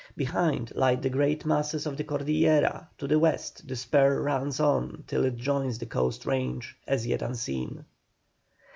Behind lie the great masses of the Cordillera, to the west the spur runs on till it joins the coast range, as yet unseen.